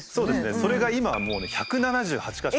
それが今はもうね１７８か所。